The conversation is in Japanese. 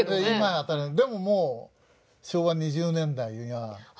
でももう昭和２０年代には。あったんだ。